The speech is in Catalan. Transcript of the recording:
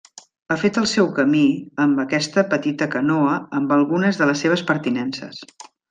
Ha fet el seu camí amb aquesta petita canoa amb algunes de les seves pertinences.